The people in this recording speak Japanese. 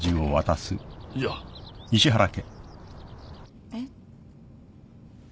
じゃあ。えっ？